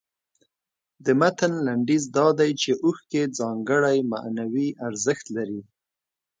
د متن لنډیز دا دی چې اوښکې ځانګړی معنوي ارزښت لري.